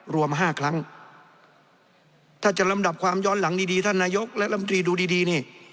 รวม๕ครั้งถ้าจะลำดับความย้อนหลังดีดีท่านนายกและลำตรีดูดีดีนี่